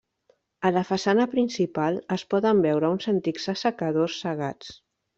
A la façana principal, es poden veure uns antics assecadors cegats.